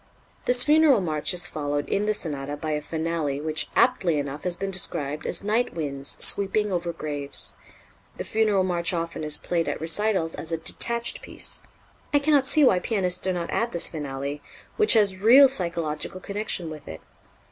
This funeral march is followed in the sonata by a finale which aptly enough has been described as night winds sweeping over graves. The funeral march often is played at recitals as a detached piece. I cannot see why pianists do not add this finale, which has real psychological connection with it.